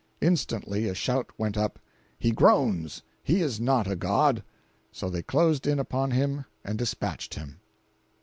Instantly a shout went up: "He groans!—he is not a god!" So they closed in upon him and dispatched him.